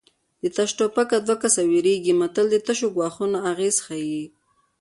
د تش ټوپکه دوه کسه ویرېږي متل د تشو ګواښونو اغېز ښيي